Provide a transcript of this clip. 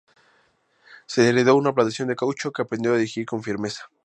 Heredó una plantación de caucho que aprendió a dirigir con firmeza.